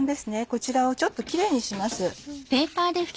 こちらをちょっとキレイにします。